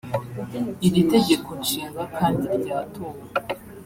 Iri tegekonshinga kandi ryatowe